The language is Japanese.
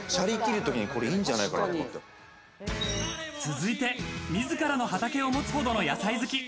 続いて、自らの畑を持つほどの野菜好き。